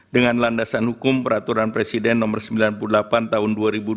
dengan landasan hukum peraturan presiden nomor sembilan puluh delapan tahun dua ribu dua puluh